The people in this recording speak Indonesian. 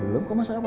belum kau masak apa